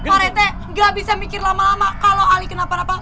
pak rete gak bisa mikir lama lama kalau ali kenapa napa